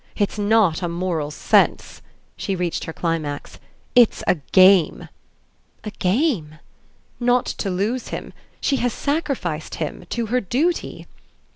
It's not a moral sense." She reached her climax: "It's a game!" "A game?" "Not to lose him. She has sacrificed him to her duty."